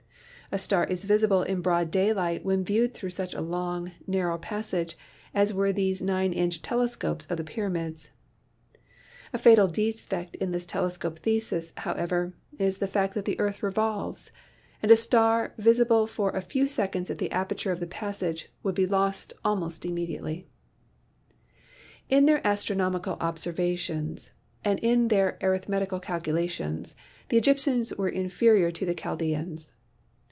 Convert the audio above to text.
A star is visible in broad daylight when viewed through such a long, narrow passage as were these nine inch "telescopes" of the pyra mids. A fatal defect in this telescope thesis, however, is the fact that the earth revolves, and a star visible for a few seconds at the aperture of the passage would be lost almost immediately. 4 PHYSICS In their astronomical observations and in their arith metical calculations the Egyptians were inferior to the Chaldeans.